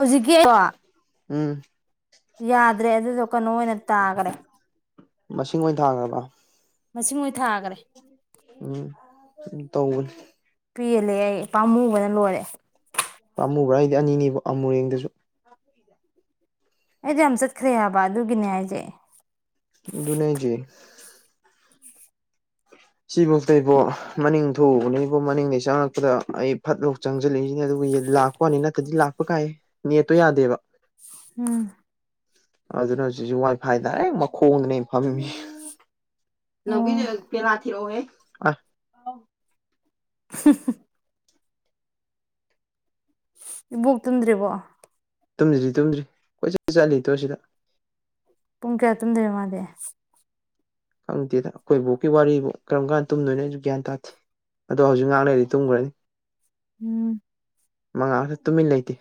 ꯍꯧꯖꯤꯛꯀꯤ ꯎꯝ ꯌꯥꯗ꯭ꯔꯦ ꯑꯗꯨꯗꯣ ꯀꯩꯅꯣ ꯑꯣꯏꯅ ꯇꯥꯈ꯭ꯔꯦ ꯃꯁꯤꯡ ꯑꯣꯏꯅ ꯊꯥꯈ꯭ꯔꯕ ꯃꯁꯤꯡ ꯑꯣꯏꯅ ꯊꯥꯈꯔꯦ ꯎꯝ ꯇꯧꯕꯅꯤ ꯄꯦꯜꯂꯦ ꯑꯩ ꯄꯥꯝꯃꯨꯕꯅ ꯂꯣꯏꯔꯦ ꯑꯃꯨꯕ꯭ꯔꯥ ꯍꯥꯏꯗꯤ ꯑꯅꯤꯅꯦꯕ ꯑꯃꯨꯔꯦꯡꯗꯁꯨ ꯑꯩꯁ ꯌꯥꯝ ꯆꯠꯈ꯭ꯔꯦ ꯍꯥꯏꯕ ꯑꯗꯨꯒꯤꯅꯦ ꯍꯥꯏꯁꯦ ꯑꯗꯨꯅꯤ ꯍꯩꯔꯤꯁꯤ [inaudible] ꯁꯤꯐꯥꯎꯗꯕꯣ ꯃꯅꯤꯡ ꯊꯣꯛꯎꯕꯅꯤꯕꯣ ꯃꯅꯤꯡꯗꯒꯤꯩ ꯆꯪꯉꯛꯄꯗ ꯑꯩ ꯐꯠꯂꯥꯎ ꯆꯪꯁꯤꯜꯂꯤꯛꯏꯁꯤꯅꯦ ꯑꯗꯨꯒ ꯂꯥꯛꯄ ꯀꯣꯅꯤ ꯅꯠꯇꯗꯤ ꯂꯥꯛꯄ ꯀꯥꯏ ꯅꯦꯠꯇꯣ ꯌꯥꯗꯦꯕ ꯎꯝ ꯑꯗꯨꯅ ꯍꯧꯖꯤꯛꯁꯤ ꯋꯥꯏꯐꯥꯏ ꯗꯥꯏꯔꯦꯛ ꯃꯈꯣꯡꯗꯅꯦ ꯐꯝꯃꯤ ꯑꯣ [unintelligible] ꯎ [inaudible] ꯏꯕꯨꯛ ꯇꯨꯝꯗ꯭ꯔꯤꯕꯣ ꯇꯨꯝꯗ꯭ꯔꯤ ꯇꯨꯝꯗ꯭ꯔꯤ ꯀꯣꯏꯠ ꯆꯠꯂꯤ ꯇꯣ ꯑꯁꯤꯇ ꯄꯨꯡ ꯀꯌꯥ ꯇꯨꯝꯗꯣꯏꯕ ꯃꯥꯗꯤ ꯈꯪꯗꯦꯇ ꯑꯈꯣꯏ ꯕꯣꯛꯀꯤ ꯋꯥꯔꯤꯔꯤꯕꯨ ꯀꯔꯝ ꯀꯥꯟ ꯇꯨꯝꯗꯣꯏꯅꯣ ꯑꯩꯁꯨ ꯒ꯭ꯌꯥꯟ ꯇꯥꯗꯦ ꯑꯗꯣ ꯍꯧꯖꯤꯛ ꯉꯥꯛꯂꯩꯔꯗꯤ ꯇꯨꯝꯒ꯭ꯔꯅꯤ ꯍꯨꯝ ꯃꯉꯥꯜꯁꯨ ꯇꯨꯃꯤꯟ ꯂꯩꯇꯦ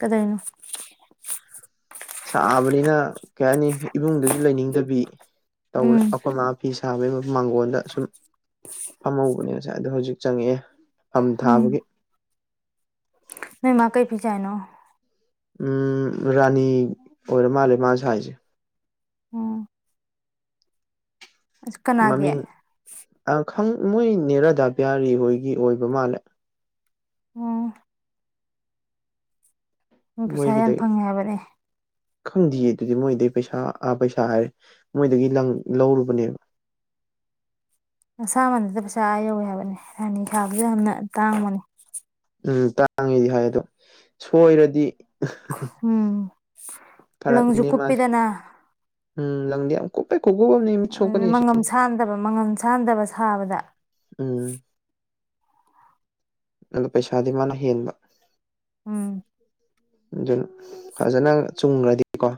ꯀꯗꯥꯏꯅꯣ ꯁꯥꯕꯅꯤꯅ ꯀꯩ ꯍꯥꯏꯅꯤ ꯏꯕꯨꯡꯗꯁꯨ ꯂꯩꯅꯤꯡꯗꯕꯤ ꯎꯝ ꯇꯧꯔꯦ ꯑꯈꯣꯏ ꯃꯥ ꯐꯤ ꯁꯥꯕꯒꯤ ꯃꯥꯡꯒꯣꯟꯜꯗ ꯁꯨꯝ ꯐꯝꯍꯧꯕꯅꯦ ꯉꯁꯥꯏ ꯑꯗꯣ ꯍꯧꯖꯤꯛ ꯆꯪꯉꯛꯑꯦ ꯐꯝ ꯎꯝ ꯊꯥꯕꯒꯤ ꯅꯣꯏ ꯃꯥ ꯀꯩ ꯐꯤ ꯁꯥꯏꯅꯣ ꯎꯝ ꯔꯥꯅꯤ ꯑꯣꯏꯔ ꯃꯥꯜꯂꯦ ꯃꯥꯅ ꯁꯥꯏꯁꯦ ꯑꯣ ꯀꯅꯥꯒꯤ ꯃꯃꯤꯡ ꯃꯣꯏ ꯅꯦꯔꯥꯗꯥꯥꯄꯤꯌꯥꯔꯤ ꯍꯣꯏꯒꯤ ꯑꯣꯏꯕ ꯃꯥꯜꯂꯦ [unintelligible] ꯄꯩꯁꯥ ꯌꯥꯝ ꯃꯣꯏꯒꯤꯗꯩ ꯐꯪꯉꯦ ꯍꯥꯏꯕꯅꯦ ꯈꯪꯗꯦꯌꯦ ꯑꯗꯨꯗꯤ ꯃꯣꯏꯗꯩ ꯄꯩꯁꯥ ꯑꯥ ꯄꯩꯁꯥ ꯍꯥꯏꯔꯦ ꯃꯣꯏꯗꯒꯤ ꯂꯪ ꯂꯧꯔꯨꯕꯅꯦꯕ ꯑꯁꯥꯃꯟꯗꯗ ꯄꯩꯁꯥ ꯑꯥ ꯌꯧꯋꯦ ꯍꯥꯏꯕꯅꯦ ꯔꯥꯅꯤ ꯁꯥꯕꯖꯦ ꯌꯥꯝꯅ ꯇꯥꯡꯕꯅꯦ ꯎꯝ ꯇꯥꯡꯉꯦꯗꯤ ꯍꯥꯏ ꯑꯗꯣ ꯁꯣꯏꯔꯗꯤ ꯈꯨꯝ ꯂꯪꯖꯨ ꯐꯔꯛꯅꯤꯅꯦ ꯃꯥꯁꯦ ꯀꯨꯞꯄꯤꯗꯅ ꯎꯝ ꯂꯪꯗꯤ ꯌꯥꯝ ꯀꯨꯞꯄꯦ ꯈꯨꯀꯨꯞ ꯑꯝꯅꯤ ꯃꯤꯠ ꯁꯣꯛꯀꯅꯤ ꯑꯁꯤꯗꯤ ꯁꯥꯟꯗꯕ ꯃꯉꯝꯁ ꯁꯥꯟꯗꯕ ꯁꯥꯕꯗ ꯎꯝ ꯑꯗꯣ ꯄꯩꯁꯥꯗꯤ ꯃꯥꯅ ꯍꯦꯟꯕ ꯎꯝ ꯑꯗꯨꯅ ꯐꯖꯅ ꯆꯨꯝꯒ꯭ꯔꯗꯤꯀꯣ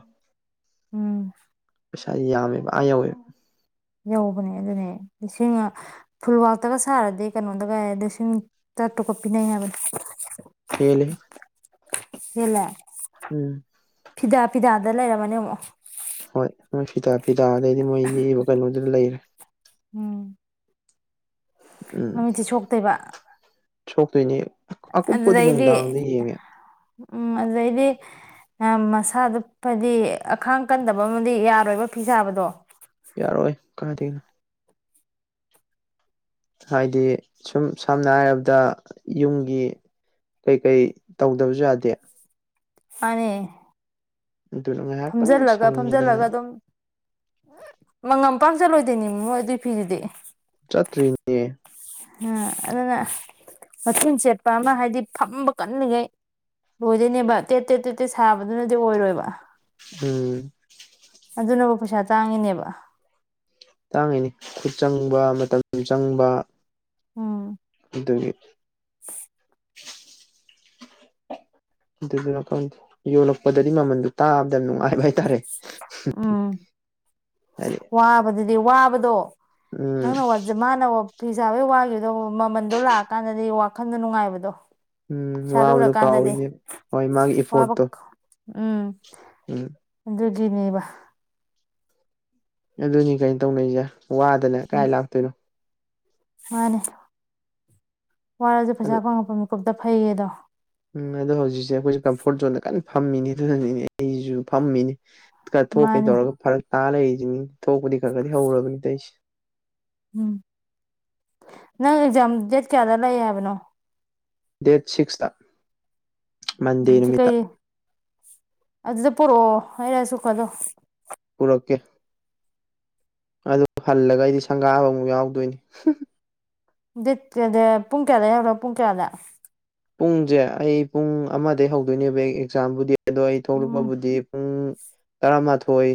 ꯎꯝ ꯄꯩꯁꯥ ꯌꯥꯝꯃꯦꯕ ꯑꯥ ꯌꯥꯎꯋꯦꯕ ꯌꯧꯕꯅꯦ ꯑꯗꯨꯅꯦ ꯂꯤꯁꯤꯡꯑ ꯐꯨꯜꯋꯥꯛꯇꯒ ꯁꯥꯔꯗꯤ ꯀꯩꯅꯣꯗꯒꯥꯏꯗꯤ ꯂꯤꯁꯤꯡ ꯇꯔꯥ ꯇꯨꯛꯀ ꯄꯤꯅꯩ ꯍꯥꯏꯕꯅꯤ ꯍꯦꯜꯂꯦꯍꯦ ꯍꯦꯜꯂꯦ ꯎꯝ ꯐꯤꯗꯥ ꯐꯤꯗꯥꯗ ꯂꯩꯔꯝꯃꯅꯦ ꯑꯃꯨꯛ ꯍꯣꯏ ꯃꯣꯏ ꯐꯤꯗꯥ ꯐꯤꯗꯥ ꯑꯗꯩꯗꯤ ꯃꯣꯏ ꯌꯦꯛꯏꯕ ꯀꯩꯅꯣꯗꯨꯗ ꯂꯩꯔꯦ ꯎꯝ ꯎꯝ ꯃꯃꯤꯠꯁꯦ ꯁꯣꯛꯇꯣꯏꯕ ꯁꯣꯛꯇꯨꯏꯅꯤ ꯑꯗꯨꯗꯩꯗꯤ ꯎꯝ ꯑꯗꯨꯗꯩꯗꯤ ꯃꯌꯥꯝ ꯃꯁꯥꯗꯨ ꯐꯗꯤ ꯑꯈꯥꯡ ꯀꯟꯗꯕ ꯑꯃꯗꯤ ꯌꯥꯔꯣꯏꯕ ꯐꯤ ꯁꯥꯕꯗꯣ ꯌꯥꯔꯣꯏ ꯀꯥꯏꯗꯩꯅꯣ ꯍꯥꯏꯗꯤ ꯁꯨꯝ ꯁꯝꯅ ꯍꯥꯏꯔꯕꯗ ꯌꯨꯝꯒꯤ ꯀꯩꯀꯩ ꯇꯧꯗꯕꯖꯨ ꯌꯥꯗꯦ ꯃꯥꯅꯦ ꯑꯗꯨꯅ ꯉꯥꯏꯍꯥꯛꯇꯪ ꯐꯝꯖꯜꯂꯒ ꯁꯪꯕꯗꯅꯦ ꯐꯝꯖꯜꯂꯒ ꯑꯗꯨꯝ ꯃꯪꯉꯝ ꯄꯥꯛ ꯆꯠꯂꯣꯏꯗꯣꯏꯅꯤ ꯃꯣꯏ ꯑꯗꯨꯏ ꯐꯤꯗꯨꯗꯤ ꯆꯠꯇ꯭ꯔꯤ ꯍ ꯑꯗꯨꯅ ꯃꯊꯨꯟ ꯆꯦꯠꯄ ꯑꯃ ꯍꯥꯏꯗꯤ ꯐꯝꯕ ꯀꯟꯂꯤꯒꯩ ꯂꯣꯏꯗꯣꯏꯅꯦꯕ ꯇꯦꯠ ꯇꯦꯠ ꯇꯦꯠ ꯇꯦꯠ ꯁꯥꯕꯗꯨꯅꯗꯤ ꯑꯣꯏꯔꯣꯏꯕ ꯎꯝ ꯑꯗꯨꯅꯕꯨ ꯄꯩꯁꯥ ꯇꯥꯡꯉꯤꯅꯦꯕ ꯇꯥꯡꯉꯤꯅꯤ ꯈꯨꯠ ꯆꯪꯕ ꯃꯇꯝ ꯆꯪꯕ ꯎꯝ ꯑꯗꯨꯒꯤ [unintelligible] ꯑꯗꯨꯗꯨꯅ ꯈꯪꯗꯦ ꯌꯣꯜꯂꯛꯄꯗꯗꯤ ꯃꯃꯜꯗꯨ ꯇꯥꯕꯗ ꯌꯥꯝ ꯅꯨꯡꯉꯥꯏꯕ ꯍꯥꯏ ꯎꯝ ꯍꯥꯏꯗꯤ ꯋꯥꯕꯗꯨꯗꯤ ꯋꯥꯕꯗꯣ ꯎꯝ ꯅꯪꯅ ꯋꯥꯖ ꯖ ꯃꯥꯅ ꯋꯥ ꯐꯤꯁꯥꯕꯩ ꯋꯥꯈꯤꯕꯗꯣ ꯃꯃꯟꯗꯣ ꯂꯥꯛꯑꯀꯥꯟꯗꯗꯤ ꯋꯥꯈꯟꯗꯣ ꯅꯨꯡꯉꯥꯏꯕꯗꯣ ꯎꯝ ꯄꯩꯁꯥꯗꯨ ꯋꯥꯕꯗꯣ ꯎꯔꯀꯥꯟꯗꯗꯤ ꯀꯥꯎꯏꯅꯦ ꯍꯣꯏ ꯃꯥꯒꯤ ꯋꯥꯕ ꯏꯐꯣꯔꯠꯇꯣ ꯎꯝ ꯎꯝ ꯑꯗꯨꯒꯤꯅꯦꯕ ꯑꯗꯨꯅꯤ ꯀꯩꯅꯣ ꯇꯧꯅꯩꯖꯦ ꯋꯥꯗꯅ ꯀꯥꯏ ꯎꯝ ꯂꯥꯛꯇꯣꯏꯅꯣ ꯃꯥꯅꯦ ꯋꯥꯔꯖꯨ ꯑꯗꯨ ꯄꯩꯁꯥ ꯐꯪꯉꯛꯄ ꯃꯤꯀꯨꯞꯇ ꯐꯩꯌꯦꯗꯣ ꯎꯝ ꯑꯗꯣ ꯍꯧꯖꯤꯛꯁꯦ ꯑꯩꯈꯣꯏꯁꯦ ꯀꯝꯐꯣꯔꯠ ꯖꯣꯟꯗ ꯀꯟꯅ ꯐꯝꯃꯤꯅꯦ ꯑꯗꯨꯅꯅꯦ ꯑꯩꯁꯨ ꯐꯝꯃꯤꯅꯤ ꯈꯔ ꯊꯣꯛꯀꯦ ꯃꯥꯅꯤ ꯇꯧꯔꯒ ꯐꯔꯛ ꯇꯥꯔ ꯂꯩꯔꯤꯖꯤꯅꯤ ꯊꯣꯛꯄꯗꯤ ꯈꯔ ꯈꯗꯤ ꯍꯧꯔꯕꯅꯤ ꯇꯩꯁꯦ ꯎꯝ ꯅꯪ ꯑꯦꯛꯖꯥꯝ ꯗꯦꯠ ꯀꯌꯥꯗ ꯂꯩ ꯍꯥꯏꯕꯅꯣ ꯗꯦꯠ ꯁꯤꯛꯁꯇ ꯎꯝ ꯃꯟꯗꯦ ꯆꯨ ꯀꯩ ꯅꯨꯃꯤꯠꯇ ꯀꯩ ꯑꯗꯨꯗ ꯄꯨꯔꯛꯑꯣ ꯑꯩ ꯔꯥꯏꯁ ꯀꯨꯀꯔꯗꯣ ꯄꯨꯔꯛꯀꯦ ꯑꯗꯨ ꯍꯜꯂꯒ ꯑꯩꯗꯤ ꯁꯪꯒꯥꯕ ꯑꯃꯨꯛ ꯌꯥꯎꯗꯣꯏꯅꯤ [unintelligible] ꯄꯨꯡ ꯀꯌꯥꯗ ꯌꯧꯔꯣ ꯄꯨꯡ ꯀꯌꯥꯗ ꯄꯨꯡꯁꯦ ꯑꯩ ꯄꯨꯡ ꯑꯃꯗꯒꯤ ꯍꯧꯗꯣꯏꯅꯦꯕ ꯑꯩ ꯑꯦꯛꯖꯥꯝꯕꯨꯗꯤ ꯑꯗꯣ ꯑꯩ ꯎꯝ ꯊꯣꯛꯂꯛꯄꯕꯨꯗꯤ ꯄꯨꯡ ꯇꯔꯥꯃꯥꯊꯣꯏ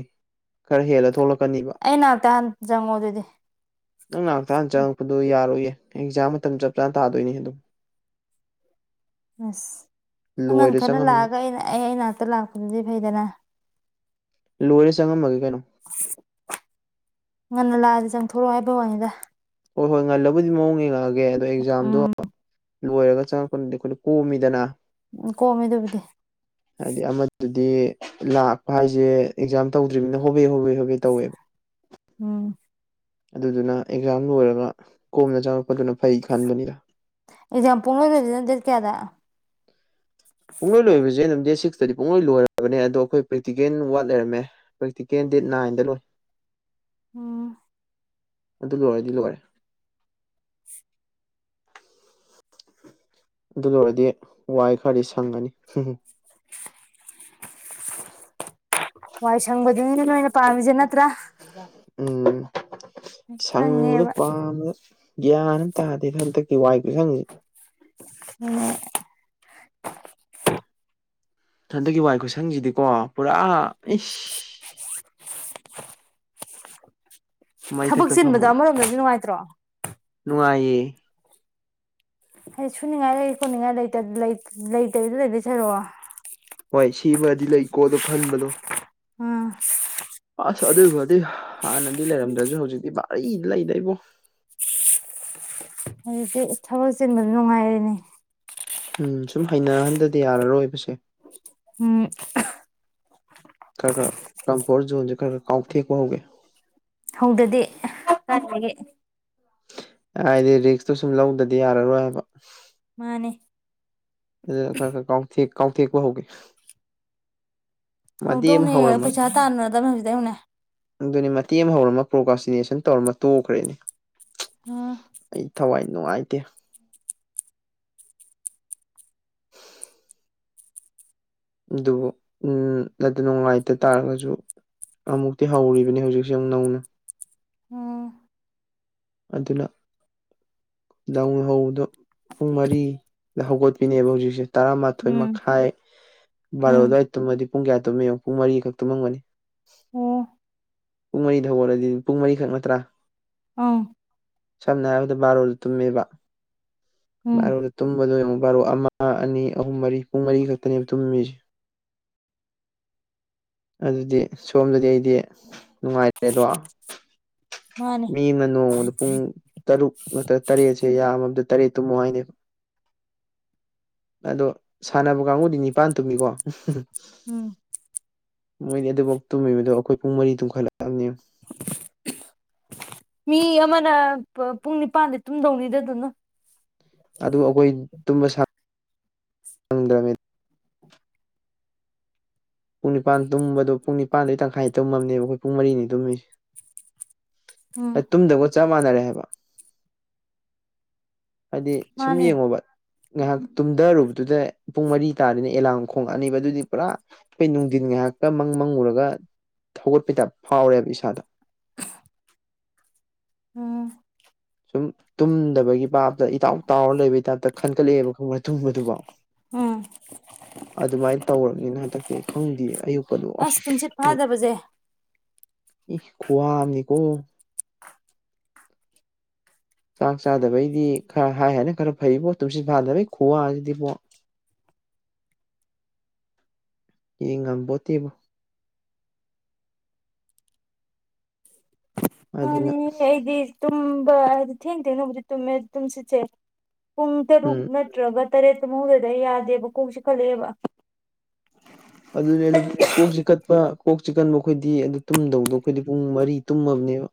ꯈꯔ ꯍꯦꯜꯂ ꯊꯣꯛꯂꯛꯀꯅꯤꯕ ꯑꯩ ꯅꯥꯛꯇ ꯍꯥꯟ ꯆꯪꯉꯣ ꯑꯗꯨꯗꯤ ꯅꯪ ꯅꯅꯥꯛꯇꯥ ꯍꯥꯟꯅ ꯆꯪꯉꯛꯄꯗꯣ ꯌꯥꯔꯣꯏꯌꯦ ꯑꯦꯛꯖꯥꯝ ꯃꯇꯝ ꯆꯞ ꯆꯥꯅ ꯇꯥꯗꯣꯏꯅꯤ ꯑꯗꯨꯝ ꯑꯁ ꯈꯪ ꯉꯟ ꯂꯣꯏꯔ ꯈꯠꯅ ꯆꯪꯉꯝꯃꯒꯦ ꯂꯥꯛꯑꯒ ꯑꯩꯅ ꯑꯩ ꯑꯩ ꯅꯥꯛꯇ ꯂꯥꯛꯄꯗꯨꯗꯤ ꯐꯩꯗꯅ ꯂꯣꯏꯔꯦ ꯆꯪꯉꯝꯃꯒꯦ ꯀꯩꯅꯣ ꯉꯟꯅ ꯂꯥꯛꯑꯗꯤ ꯆꯪꯊꯣꯔꯛꯑꯣ ꯍꯥꯏꯕꯩ ꯋꯥꯅꯤꯗ ꯍꯣꯏ ꯍꯣꯏ ꯉꯜꯂꯕꯨꯗꯤ ꯃꯑꯣꯡ ꯌꯦꯡꯉꯛꯑꯒꯦ ꯑꯗꯣ ꯑꯦꯛꯖꯥꯝꯗꯣ ꯎꯝ ꯂꯣꯏꯔꯒ ꯆꯪꯉꯛꯄꯅ ꯑꯩꯈꯣꯏꯗ ꯀꯣꯝꯃꯤꯗꯅ ꯎꯝ ꯀꯣꯝꯃꯦ ꯑꯗꯨꯕꯨꯗꯤ ꯍꯥꯏꯗꯤ ꯑꯃꯗꯨꯗꯤ ꯂꯥꯛꯄ ꯍꯥꯏꯁꯦ ꯑꯦꯛꯖꯥꯝ ꯇꯧꯗ꯭ꯔꯤꯕꯅꯤꯅ ꯍꯣꯕꯦ ꯍꯣꯕꯦ ꯍꯣꯕꯦ ꯇꯧꯋꯦꯕ ꯎꯝ ꯑꯗꯨꯗꯨꯅ ꯑꯦꯛꯖꯥꯝ ꯂꯣꯏꯔꯒ ꯀꯣꯝꯅ ꯆꯪꯉꯛꯄꯗꯨꯅ ꯐꯩ ꯈꯟꯕꯅꯤꯗ ꯑꯦꯛꯖꯥꯝ ꯄꯨꯡ ꯂꯣꯏ ꯂꯣꯏꯔꯤꯗ ꯅ ꯗꯦꯠ ꯀꯌꯥꯗ ꯄꯨꯡꯂꯣꯏ ꯂꯣꯏꯕꯁꯦ ꯑꯗꯨꯝ ꯗꯦꯠ ꯁꯤꯛꯁꯇꯗꯤ ꯄꯨꯡꯂꯣꯏ ꯂꯣꯏꯔꯕꯅꯦ ꯑꯗꯣ ꯑꯩꯈꯣꯏ ꯄ꯭ꯔꯦꯛꯇꯤꯀꯦꯜ ꯋꯥꯠ ꯂꯩꯔꯝꯃꯦ ꯄ꯭ꯔꯦꯛꯇꯤꯀꯦꯟ ꯗꯦꯠ ꯅꯥꯏꯟꯗ ꯂꯣꯏ ꯑꯣ ꯑꯗꯨ ꯂꯣꯏꯔꯗꯤ ꯂꯣꯏꯔꯦ ꯑꯗꯨ ꯂꯣꯏꯔꯗꯤ ꯋꯥꯏ ꯈꯔꯗꯤ ꯁꯪꯒꯅꯤ ꯋꯥꯏ ꯁꯪꯕꯖꯤꯅꯦ ꯅꯣꯏꯅ ꯄꯥꯝꯃꯤꯁꯦ ꯅꯠꯇ꯭ꯔꯥ ꯎꯝ ꯁꯪꯕꯗꯣ ꯈꯪꯉꯦꯕ ꯄꯥꯝꯃꯦꯕ ꯒ꯭ꯌꯥꯟ ꯑꯃ ꯇꯥꯗꯦ ꯍꯟꯗꯛꯀꯤ ꯋꯥꯏ ꯇꯨꯁꯪꯁꯦ [unintelligible] ꯍꯟꯗꯛꯀꯤ ꯋꯥꯏ ꯈꯨꯁꯪꯁꯤꯗꯤꯀꯣ ꯄꯨꯔꯥ [unintelligible] ꯏꯁ ꯊꯕꯛ ꯃꯩꯊꯛꯇ ꯆꯤꯟꯕꯗ ꯐꯝꯃꯒ ꯑꯃꯔꯣꯝꯗꯗꯤ ꯅꯨꯡꯉꯥꯏꯇ꯭ꯔꯣ ꯅꯨꯡꯉꯥꯏꯌꯦ ꯍꯥꯏꯗꯤ ꯁꯨꯅꯤꯡꯉꯥꯏ ꯂꯩ ꯈꯣꯠꯅꯤꯡꯉꯥꯏꯇ ꯂꯩꯇꯗꯤ ꯂꯩ ꯁꯔꯨꯛ ꯍꯣꯏ ꯁꯤꯃꯗꯤ ꯂꯩꯀꯣꯗꯣ ꯈꯟꯕꯗꯣ ꯎꯝ ꯑꯁ ꯑꯗꯨ ꯑꯣꯏꯕꯨꯗꯤ ꯍꯥꯟꯅꯗꯤ ꯂꯩꯔꯝꯗ꯭ꯔꯁꯨ ꯍꯧꯖꯤꯛꯇꯤ ꯔꯤꯗꯤ ꯂꯩꯗ ꯏꯕꯣ ꯑꯗꯨꯗꯤ ꯊꯕꯛ ꯆꯤꯟꯕꯗ ꯅꯨꯡꯉꯥꯏꯔꯦꯅꯦ ꯎꯝ ꯁꯨꯝ ꯍꯩꯅꯍꯟꯗꯗꯤ ꯌꯥꯔꯔꯣꯏꯕꯁꯦ ꯎꯝ ꯈꯔ ꯈꯔ ꯀꯝꯐꯣꯔꯠ ꯖꯣꯟꯁꯦ ꯈꯔ ꯈꯔ ꯀꯥꯎꯊꯦꯛꯄ ꯍꯧꯒꯦ ꯍꯧꯗꯗꯤ ꯀꯥꯢꯗꯒꯤ ꯍꯥꯏꯗꯤ ꯔꯤꯛꯁꯇꯨ ꯁꯨꯝ ꯂꯧꯗꯗꯤ ꯌꯥꯔꯔꯣꯏ ꯍꯥꯏꯕ ꯃꯥꯅꯦ ꯑꯗꯨ ꯈꯔ ꯈꯔꯥꯎꯊꯦꯛ ꯀꯥꯎꯊꯦꯛꯄ ꯍꯧꯒꯦ ꯃꯇꯦꯛ ꯑꯃ ꯍꯧꯗꯧꯅꯦ ꯍꯧꯔꯝꯃꯒ ꯄꯩꯁꯥ ꯇꯥꯟꯅꯗꯕꯅꯦ ꯍꯧꯖꯤꯗꯩ ꯍꯧꯅꯦ ꯑꯗꯨ ꯑꯗꯨꯅꯦ ꯃꯇꯦꯡ ꯍꯧꯔꯝꯕ ꯄ꯭ꯔꯣꯒꯥꯁꯤꯅꯦꯁꯟ ꯇꯧꯔꯃ ꯇꯣꯛꯈ꯭ꯔꯦꯅꯦ ꯎꯝ ꯑꯩ ꯊꯋꯥꯏ ꯅꯨꯡꯉꯥꯏꯇꯦ ꯑꯗꯨꯕꯨ ꯎꯝ ꯑꯗꯨ ꯅꯨꯡꯉꯥꯏꯇ ꯇꯥꯔꯒꯁꯨ ꯑꯃꯨꯛꯇꯤ ꯍꯧꯔꯤꯕꯅꯦ ꯍꯧꯖꯤꯛꯁꯦ ꯌꯥꯝ ꯅꯧꯅ ꯎꯝ ꯑꯗꯨꯅ ꯂꯧ ꯍꯧꯕꯗꯣ ꯄꯨꯡ ꯃꯔꯤꯗ ꯍꯧꯒꯠꯄꯤꯅꯦꯕ ꯍꯧꯖꯤꯛꯁꯦ ꯇꯔꯥꯃꯥꯊꯣꯏ ꯎꯝ ꯃꯈꯥꯏ ꯕꯥꯔꯣ ꯎꯝ ꯑꯗꯨꯋꯥꯏ ꯇꯝꯃꯗꯤ ꯄꯨꯡ ꯀꯌꯥ ꯇꯨꯝꯃꯤ ꯌꯦꯡꯉꯨ ꯄꯨꯡ ꯃꯔꯤꯈꯛ ꯇꯨꯝꯃꯝꯒꯅꯤ ꯑꯣ ꯄꯨꯡ ꯃꯔꯤꯗ ꯍꯧꯒꯠꯂꯗꯤ ꯄꯨꯡ ꯃꯔꯤꯈꯛ ꯅꯠꯇ꯭ꯔꯥ ꯑꯥ ꯁꯝꯅ ꯍꯥꯏꯔꯕꯗ ꯕꯥꯔꯣꯜꯗ ꯇꯨꯝꯃꯦꯕ ꯎꯝ ꯕꯥꯔꯣꯗ ꯇꯨꯝꯕꯗꯣ ꯌꯦꯡꯉꯨꯛ ꯕꯥꯔꯣ ꯑꯃ ꯑꯅꯤ ꯑꯍꯨꯝ ꯃꯔꯤ ꯄꯨꯡ ꯃꯔꯤ ꯈꯛꯇꯅꯦꯕ ꯇꯨꯝꯃꯤꯁꯦ ꯑꯗꯨꯗꯤ ꯁꯣꯝꯗꯗꯤ ꯑꯩꯗꯤ ꯅꯨꯡꯉꯥꯏꯔꯦ ꯗꯣ ꯃꯥꯅꯦ ꯃꯤ ꯑꯃꯅ ꯅꯣꯡꯃꯗ ꯄꯨꯡ ꯇꯔꯨꯛ ꯅꯠꯇꯔꯥ ꯇꯔꯦꯠꯁꯦ ꯌꯥꯝꯃꯝꯗ ꯇꯔꯦꯠ ꯇꯨꯝꯃꯣ ꯍꯥꯏꯅꯦꯕ ꯑꯗꯣ ꯁꯥꯟꯅꯕ ꯀꯥꯡꯕꯨꯗꯤ ꯅꯤꯄꯥꯟ ꯇꯨꯝꯃꯤꯀꯣ ꯎꯝ ꯃꯣꯏꯗꯤ ꯑꯗꯨꯐꯥꯎ ꯇꯨꯝꯃꯤꯕꯗꯣ ꯑꯩꯈꯣꯏ ꯄꯨꯡ ꯃꯔꯤ ꯇꯨꯝꯈꯠꯂꯛꯂꯕꯅꯦ ꯃꯤ ꯑꯃꯅ ꯄꯨꯡ ꯅꯤꯄꯜꯗꯤ ꯇꯨꯝꯗꯧꯅꯤꯗ ꯑꯗꯨꯅ ꯑꯗꯨ ꯑꯩꯈꯣꯏ ꯇꯨꯝꯕ ꯁꯥꯡꯗ꯭ꯔꯕꯅꯦ ꯄꯨꯡ ꯅꯤꯄꯥꯟ ꯇꯨꯝꯕꯗꯣ ꯄꯨꯡ ꯅꯤꯥꯄꯥꯜꯗꯣ ꯇꯪꯈꯥꯏꯗ ꯇꯨꯝꯃꯝꯅꯦꯕ ꯑꯩꯈꯣꯏ ꯄꯨꯡ ꯃꯔꯤꯅꯤ ꯇꯨꯝꯃꯤꯁꯦ ꯎꯝ ꯇꯨꯡꯗꯕꯒ ꯆꯞ ꯃꯥꯟꯅꯔꯦ ꯍꯥꯏꯕ ꯍꯥꯏꯗꯤ ꯁꯨꯝ ꯃꯥꯅꯦ ꯌꯦꯡꯉꯣꯕ ꯉꯥꯏꯍꯥꯛ ꯇꯨꯝꯊꯔꯨꯕꯗꯨꯗ ꯄꯨꯡ ꯃꯔꯤ ꯇꯥꯔꯦꯅ ꯑꯦꯂꯥꯔꯝ ꯈꯣꯡꯉꯛꯑꯅꯤꯕ ꯑꯗꯨꯗꯤ ꯄꯨꯔꯥ ꯍꯣꯏ ꯅꯨꯡꯊꯤꯟ ꯉꯥꯏꯍꯥꯛꯇ ꯃꯪ ꯃꯪꯉꯨꯔꯒ ꯍꯧꯒꯠꯄꯩ ꯇꯥꯞꯢ ꯐꯥꯎꯔꯦꯕ ꯏꯁꯥꯗꯣ ꯎꯝ ꯁꯨꯝ ꯇꯨꯝꯗꯕꯒꯤ ꯄꯥꯞꯇ ꯏꯇꯥꯎ ꯇꯥꯎꯔ ꯂꯩꯕꯒꯤ ꯇꯥꯏꯞꯇ ꯈꯟꯒꯠꯂꯛꯑꯦꯕ ꯈꯪ ꯇꯨꯝꯕꯗꯨꯐꯥꯎ ꯎꯝ ꯑꯗꯨꯃꯥꯏꯅ ꯇꯧꯔꯕꯅꯤꯅ ꯍꯟꯗꯛꯇꯤ ꯈꯪꯗꯦ ꯑꯌꯨꯛ ꯀꯣ ꯑꯁ ꯇꯨꯝꯁꯤꯠ ꯐꯥꯗꯕꯁꯦ ꯏ ꯈꯨꯋꯥ ꯑꯃꯅꯤꯀꯣ ꯆꯥꯛ ꯆꯥꯗꯕꯩꯗꯤ ꯈꯔ ꯍꯥꯏ ꯍꯥꯏꯅ ꯈꯔ ꯐꯩꯕꯣ ꯇꯨꯝꯁꯤꯟ ꯐꯥꯗꯕꯒꯤ ꯈꯨꯋꯥꯁꯤꯗꯤꯕꯣ ꯌꯦ ꯉꯥꯡꯕꯣꯠꯇꯦꯕ [inaudible] ꯑꯗꯨꯅ ꯃꯥꯅꯦ ꯑꯩꯗꯤ ꯇꯨꯝꯕ ꯊꯦꯡ ꯊꯦꯡꯅꯗꯤ ꯇꯨꯝꯃꯦ ꯇꯨꯝꯁꯤꯠꯁꯦ ꯄꯨꯡ ꯇꯔꯨꯛ ꯎꯝ ꯅꯠꯇ꯭ꯔꯒ ꯇꯔꯦꯠꯇ ꯇꯨꯝꯍꯧꯗꯔꯗꯤ ꯌꯥꯗꯦꯕ ꯀꯣꯛꯁꯤ ꯆꯥꯛꯈꯠꯂꯛꯑꯦꯕ ꯑꯗꯨꯅꯦ ꯑꯗꯨꯝ ꯀꯣꯛꯆꯤꯛꯒꯥꯟꯄ ꯀꯣꯛ ꯆꯤꯛꯀꯟꯕ ꯑꯩꯈꯣꯏꯗꯤ ꯑꯗꯨ ꯇꯨꯝꯗꯧꯗꯣ ꯑꯩꯈꯣꯏꯗꯤ ꯄꯨꯡ ꯃꯔꯤ ꯇꯨꯝꯃꯕꯅꯦꯕ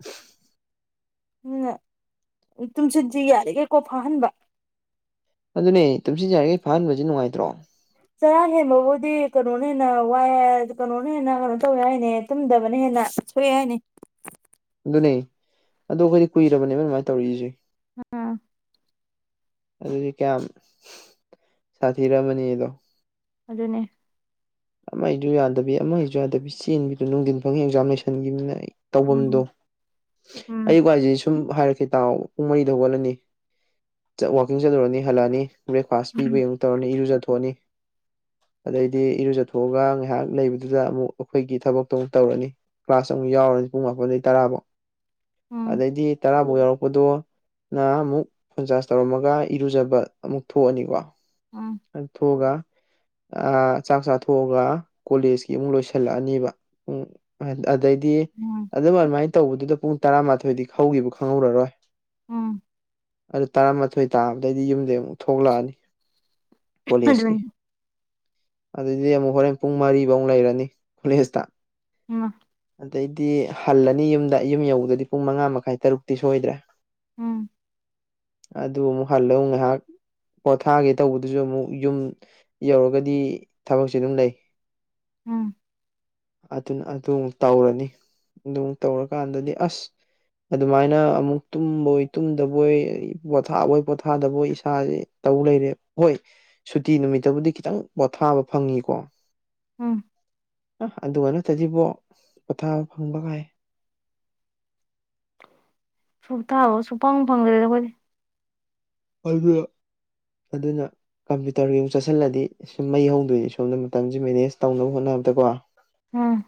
ꯑꯗꯨꯅ ꯇꯨꯝꯁꯤꯠꯁꯤ ꯌꯥꯔꯤꯉꯩ ꯐꯥꯍꯟꯕ ꯑꯗꯨꯅꯦ ꯇꯨꯝꯁꯤꯠꯁꯦ ꯌꯔꯤꯉꯩ ꯐꯥꯍꯟꯕꯁꯦ ꯅꯨꯡꯉꯥꯏꯇ꯭ꯔꯣ ꯆꯔꯥ ꯍꯦꯟꯕꯕꯨꯗꯤ ꯀꯩꯅꯣꯅ ꯍꯦꯟꯅ ꯋꯥꯏ ꯀꯩꯅꯣꯅ ꯍꯦꯟꯅ ꯀꯩꯅꯣ ꯇꯧꯋꯦ ꯍꯥꯏꯅꯦ ꯇꯨꯝꯗꯕꯅ ꯍꯦꯟꯅ ꯀꯔꯤ ꯍꯥꯢꯅꯤ ꯑꯗꯨꯅꯦ ꯑꯗꯨ ꯑꯩꯈꯣꯏꯗꯤ ꯀꯨꯏꯔꯛꯑꯕꯅꯦꯕ ꯑꯗꯨꯃꯥꯏꯅ ꯇꯧꯔꯛꯏꯁꯦ ꯑꯥ ꯑꯗꯨꯗꯤ ꯀꯌꯥꯝ ꯁꯥꯊꯤꯔꯝꯃꯅꯤꯗꯣ ꯑꯗꯨꯅꯦ ꯑꯃꯁꯨ ꯌꯥꯗꯕꯤ ꯑꯃꯁꯨ ꯌꯥꯗꯕꯤ ꯆꯦꯟꯕꯤꯗꯨ ꯅꯨꯡꯊꯤꯟ ꯐꯪꯉꯤ ꯑꯦꯛꯖꯥꯝ ꯂꯩꯁꯟꯈꯤꯕꯅꯤꯅ ꯑꯩ ꯇꯧꯐꯝꯗꯣ ꯎꯝ ꯎꯝ ꯑꯌꯨꯛ ꯍꯥꯏꯁꯤ ꯁꯨꯝ ꯍꯥꯏꯔꯛꯜꯦ ꯇꯥꯎ ꯄꯨꯡ ꯃꯔꯤꯗ ꯍꯧꯒꯠꯂꯅꯤ ꯋꯥꯛꯀꯤꯡ ꯆꯠꯂꯨꯔꯅꯤ ꯍꯜꯂꯛꯑꯅꯤ ꯕ꯭ꯔꯦꯛꯐꯥꯁ ꯎꯝ ꯄꯤꯕꯒꯤ ꯑꯃꯨꯛ ꯇꯧꯔꯅꯤ ꯏꯔꯨꯖꯊꯣꯛꯑꯅꯤ ꯑꯗꯩꯗꯤ ꯏꯔꯨꯖ ꯂꯨꯊꯣꯛꯑꯒ ꯉꯥꯏꯍꯥꯛ ꯂꯩꯕꯗꯨꯗ ꯑꯃꯨꯛ ꯑꯩꯈꯣꯏꯒꯤ ꯊꯕꯛꯇꯣ ꯑꯃꯨꯛ ꯇꯧꯔꯅꯤ ꯀ꯭ꯂꯥꯁ ꯑꯃꯨꯛ ꯌꯥꯎꯔꯅꯤ ꯄꯨꯡ ꯃꯥꯄꯟꯗꯩ ꯇꯔꯥꯐꯧ ꯑꯗꯩꯗꯤ ꯇꯔꯥ ꯑꯃꯛ ꯌꯥꯎꯔꯛꯄꯗꯨꯅ ꯑꯃꯨꯛ ꯐꯣꯟꯆꯥꯥꯔꯖ ꯇꯧꯔꯝꯃꯒ ꯏꯔꯨꯖꯕ ꯑꯃꯨꯛ ꯊꯣꯛꯑꯅꯤꯀꯣ ꯎꯝ ꯑꯗꯨ ꯊꯣꯛꯑꯒ ꯆꯥꯛ ꯆꯥꯊꯣꯛꯑꯒ ꯀꯣꯂꯦꯖꯀꯤ ꯑꯃꯨꯛ ꯂꯣꯏꯁꯤꯜꯂꯛꯑꯅꯦꯕ ꯎ ꯑꯗꯩꯗꯤ ꯎꯝ ꯑꯗꯨꯝ ꯑꯗꯨꯃꯥꯏꯅ ꯇꯧꯕꯗꯨꯗ ꯄꯨꯡ ꯇꯔꯥꯃꯥꯊꯣꯏꯗꯤ ꯍꯧꯈꯤꯕ ꯈꯪꯍꯧꯔꯔꯣꯏ ꯎꯝ ꯇꯔꯥꯃꯥꯊꯣꯏ ꯇꯥꯕꯗꯩꯗꯤ ꯌꯨꯝꯗꯒꯤ ꯑꯃꯨꯛ ꯊꯣꯛꯂꯛꯑꯅꯤ ꯀꯣꯂꯦꯖꯀꯤ ꯑꯗꯨꯅꯤ ꯑꯗꯨꯏꯗꯤ ꯑꯃꯨꯛ ꯍꯣꯔꯦꯟ ꯄꯨꯡ ꯃꯔꯤꯐꯧ ꯂꯩꯔꯅꯤ ꯀꯣꯂꯦꯖꯇ ꯎꯝ ꯑꯗꯩꯗꯤ ꯍꯜꯂꯅꯤ ꯌꯨꯝꯗ ꯌꯨꯝ ꯌꯧꯕꯗꯗꯤ ꯄꯨꯡ ꯃꯉꯥ ꯃꯈꯥꯏ ꯇꯔꯨꯛꯇꯤ ꯁꯣꯏꯗ꯭ꯔꯦ ꯎꯝ ꯑꯗꯨ ꯑꯃꯨꯛ ꯍꯜꯂꯧ ꯉꯥꯏꯍꯥꯛ ꯄꯣꯊꯥꯒꯦ ꯇꯧꯕꯗ ꯑꯗꯨꯁꯨ ꯑꯃꯨꯛ ꯌꯨꯝ ꯌꯧꯔꯒꯗꯤ ꯊꯕꯛꯁꯦ ꯑꯗꯨꯝ ꯂꯩ ꯎꯝ ꯑꯗꯨꯅ ꯑꯗꯨ ꯑꯃꯨꯛ ꯇꯧꯔꯅꯤ ꯑꯗꯨꯨꯛ ꯇꯧꯔꯀꯥꯟꯗꯗꯤ ꯑꯁ ꯑꯗꯨꯃꯥꯏꯅ ꯑꯃꯨꯛ ꯇꯨꯝꯕꯣꯏ ꯇꯨꯝꯗꯕꯣꯏ ꯄꯣꯊꯥꯕꯣꯏ ꯄꯣꯊꯥꯗꯕꯣꯏ ꯏꯁꯥꯁꯦ ꯇꯧ ꯂꯩꯔꯦ ꯍꯣꯏ ꯁꯨꯇꯤ ꯅꯨꯃꯤꯠꯇꯕꯨꯗꯤ ꯈꯤꯇꯪ ꯄꯣꯊꯥꯕ ꯐꯪꯉꯤꯀꯣ ꯎꯝ ꯑ ꯑꯗꯨꯒ ꯅꯠꯇꯁꯤꯕꯣ ꯄꯣꯊꯥꯕ ꯐꯪꯕ ꯀꯥꯏ ꯁꯨ ꯊꯥꯕꯣ ꯁꯨꯡꯄꯪ ꯐꯪꯗ꯭ꯔꯦꯗ ꯑꯩꯈꯣꯏꯗꯤ ꯑꯗꯨ ꯑꯗꯨꯅ ꯀꯝꯄ꯭ꯌꯨꯇꯔꯒꯤ ꯑꯃꯨꯛ ꯆꯠꯁꯤꯜꯂꯗꯤ ꯁꯨꯝ ꯃꯩ ꯍꯧꯗꯣꯏꯅꯤ ꯁꯣꯝꯗ ꯃꯇꯝꯁꯦ ꯃꯦꯅꯦꯖ ꯇꯧꯅꯕ ꯍꯣꯠꯅꯕꯗ ꯀꯣ ꯎꯝ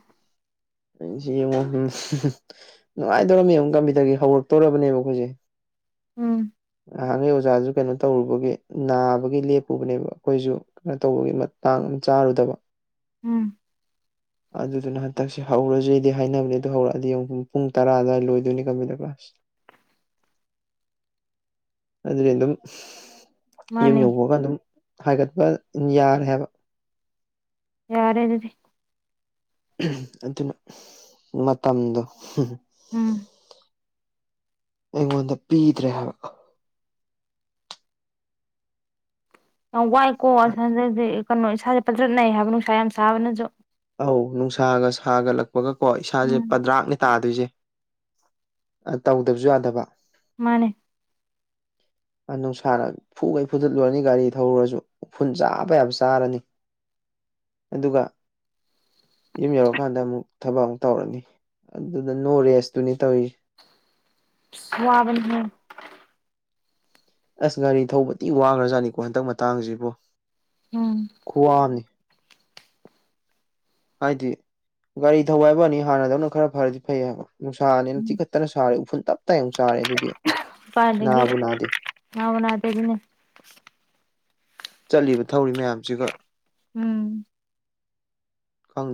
[unintelligible] ꯅꯨꯡꯉꯥꯏꯗꯧꯔꯕ ꯃꯕ ꯀꯝꯄ꯭ꯌꯨꯇꯔꯒꯤ ꯍꯧꯔꯛꯇꯣꯔꯅꯦꯕꯈꯣꯏꯦ ꯎꯝ ꯑꯍꯥꯟꯉꯩ ꯑꯣꯖꯥꯁꯨ ꯀꯩꯅꯣ ꯇꯧꯔꯨꯕꯒꯤ ꯅꯥꯕꯒꯤ ꯂꯦꯞꯄꯨꯕꯅꯦꯕ ꯑꯩꯈꯣꯏꯁꯨ ꯀꯩꯅꯣ ꯇꯧꯕꯒꯤ ꯃꯇꯥꯡ ꯑꯃ ꯆꯥꯔꯨꯗꯕ ꯎꯝ ꯑꯗꯨꯗꯨꯅ ꯍꯟꯗꯛꯁꯦ ꯍꯧꯔꯁꯩꯗꯤ ꯍꯥꯏꯅꯕꯅꯦ ꯑꯗꯨ ꯍꯧꯔꯛꯑꯗꯤ ꯌꯦ ꯄꯨꯡ ꯇꯔꯥ ꯑꯗꯨꯋꯥꯏ ꯂꯣꯏꯗꯣꯏꯅꯤ ꯀꯝꯄ꯭ꯌꯨꯇꯔ ꯀ꯭ꯂꯥꯁ [unintelligible] ꯑꯗꯨꯗꯤ ꯑꯗꯨꯝ ꯌꯨꯝ ꯃꯥꯅꯦ ꯌꯧꯕꯑꯒ ꯑꯗꯨꯝ ꯍꯥꯏꯒꯠꯄ ꯌꯥꯔꯦ ꯍꯥꯏꯕ ꯌꯥꯔꯦ ꯑꯗꯨꯗꯤ ꯑꯗꯨꯅ ꯃꯇꯝꯗꯣ ꯎꯝ ꯑꯩꯉꯣꯟꯗ ꯄꯤꯗ꯭ꯔꯦ ꯍꯥꯏꯕꯀꯣ ꯌꯥꯝ ꯋꯥꯏꯀꯣ ꯏꯁꯥꯗꯗꯤ ꯀꯩꯅꯣ ꯏꯁꯥꯥꯁꯦ ꯄꯖꯠꯅꯩꯏ ꯍꯥꯏꯕ ꯅꯨꯡꯁꯥ ꯌꯥꯝ ꯁꯥꯕꯅꯁꯨ ꯑꯧ ꯅꯨꯡꯁꯥꯒ ꯁꯥꯒꯠꯂꯛꯄꯒ ꯀꯣ ꯏꯁꯥꯁꯦ ꯎꯝ ꯄꯗ꯭ꯔꯥꯛꯅꯦ ꯇꯥꯗ ꯑꯗꯨꯏꯁꯦ ꯇꯧꯗꯕꯁꯨ ꯌꯥꯗꯕ ꯃꯥꯅꯦ ꯅꯨꯡꯁꯥꯔ ꯐꯨꯈꯩ ꯐꯨꯖꯤꯟꯂꯨꯔꯅꯤ ꯒꯥꯔꯤ ꯊꯧꯔꯁꯨ ꯎꯐꯨꯟ ꯆꯥꯕ ꯌꯥꯕ ꯆꯥꯔꯅꯤ ꯑꯗꯨꯒ ꯌꯨꯝ ꯌꯧꯔꯛꯀꯥꯟꯗ ꯑꯃꯨꯛ ꯊꯕꯛ ꯑꯃꯨꯛ ꯇꯧꯔꯅꯤ ꯑꯗꯨꯗ ꯅꯣ ꯔꯦꯁꯇꯨꯅꯤ ꯇꯧꯏꯁꯦ [unintelligible] ꯑꯁ ꯒꯥꯔꯤ ꯊꯧꯕ ꯊꯤ ꯋꯥꯡꯈ꯭ꯔꯖꯥꯠꯅꯤꯀꯣ ꯍꯟꯗꯛ ꯃꯇꯥꯡꯁꯤꯕꯨ ꯎꯝ ꯈꯨꯋꯥꯑꯝꯅꯤ ꯍꯥꯏꯗꯤ ꯒꯥꯔꯤ ꯊꯧꯕ ꯍꯥꯏꯕꯋꯥꯅꯤ ꯍꯥꯟꯅꯗꯧꯅ ꯈꯔ ꯐꯔꯗꯤ ꯐꯩ ꯍꯥꯏꯕ ꯅꯨꯡꯁꯥꯅꯤꯅ ꯇꯤꯡꯈꯠꯇꯅ ꯁꯥꯔꯦ ꯎꯐꯨꯜ ꯇꯞꯇꯥꯏꯅ ꯑꯃꯨꯛ ꯆꯥꯔꯦ ꯑꯗꯨꯗꯤ ꯀꯥꯏꯗꯒꯤ ꯅꯥꯕꯨ ꯅꯥꯗꯦ ꯅꯥꯕꯨ ꯅꯥꯗꯦ ꯑꯗꯨꯅꯦ ꯆꯠꯂꯤꯕ ꯊꯧꯔꯤ ꯃꯌꯥꯝꯁꯤꯒ ꯎꯝ ꯈꯪ